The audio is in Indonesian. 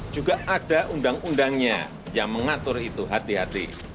juga ada undang undangnya yang mengatur itu hati hati